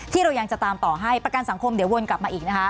ที่เรายังจะตามต่อให้ประกันสังคมเดี๋ยววนกลับมาอีกนะคะ